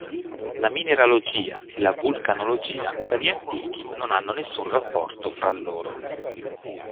La mineralogia e la vulcanologia per gli antichi non hanno nessun rapporto fra loro.